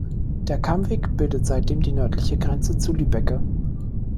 Der Kammweg bildet seitdem die nördliche Grenze zu Lübbecke.